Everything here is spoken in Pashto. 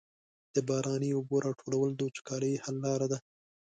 د باراني اوبو راټولول د وچکالۍ حل لاره ده.